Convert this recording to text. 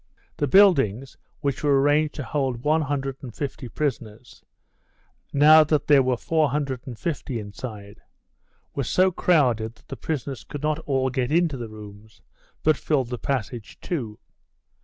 The buildings, which were arranged to hold one hundred and fifty prisoners, now that there were four hundred and fifty inside, were so crowded that the prisoners could not all get into the rooms, but filled the passage, too.